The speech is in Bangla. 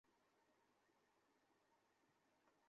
তোমার জন্মের আগে।